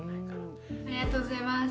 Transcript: ありがとうございます。